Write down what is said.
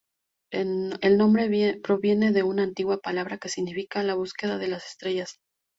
El nombre proviene de una antigua palabra que significa "la búsqueda de las estrellas".